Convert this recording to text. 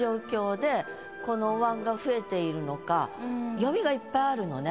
で読みがいっぱいあるのね。